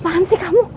apa apaan sih kamu